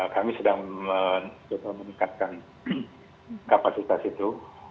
kami sedang meningkatkan kapasitas itu